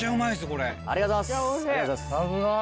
これありがとうございます